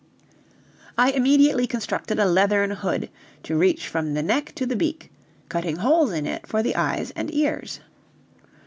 I immediately constructed a leathern hood, to reach from the neck to the beak, cutting holes in it for the eyes and ears.